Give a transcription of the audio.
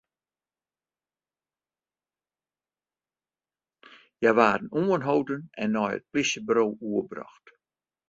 Hja waarden oanholden en nei it polysjeburo oerbrocht.